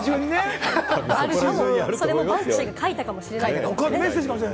それもバンクシーが描いたかもしれない。